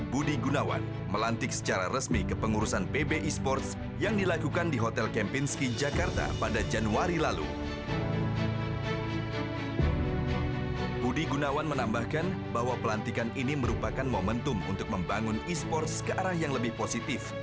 budi gunawan menambahkan bahwa pelantikan ini merupakan momentum untuk membangun esports ke arah yang lebih positif